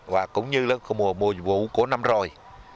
và cũng như là mùa vụ của năm rồi